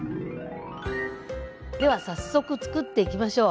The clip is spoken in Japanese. では早速つくっていきましょう。